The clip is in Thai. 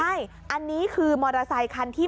ใช่อันนี้คือมอเตอร์ไซคันที่